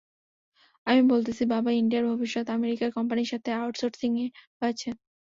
আমি বলতেছি বাবা, ইন্ডিয়ার ভবিষ্যৎ আমেরিকার কোম্পানির সাথে আউটসোর্সিং এ রয়েছে।